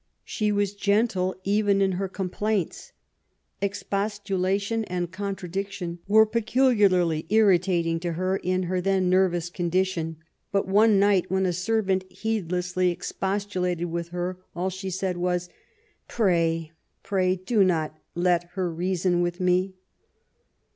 She was gentle even in her complaints. Expostulation and contradiction were peculiarly irritating to her in her then nervous condition ; but one night, when a ser vant heedlessly expostulated with her, all she said was, '^ Pray, pray do not let her reason with me